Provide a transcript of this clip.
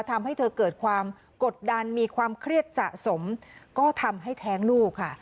ทำให้เธอเกิดความกดดันมีความเครียดสะสมก็ทำให้แท้งลูกค่ะ